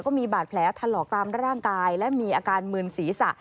ก็มีบาดแผลถลอกตามร่างกายและมีอาการมืนศีรษะ